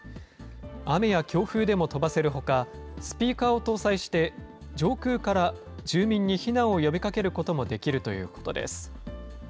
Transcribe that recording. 雨や強風でも飛ばせるほか、スピーカーを搭載して、上空から住民に避難を呼びかけることもできるということです。